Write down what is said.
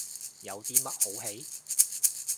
有啲乜好戯？